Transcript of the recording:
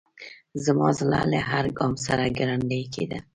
زما زړه له هر ګام سره ګړندی کېده.